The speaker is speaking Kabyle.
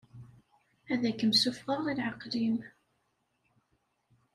Ad akem-ssuffɣeɣ i leɛqel-im.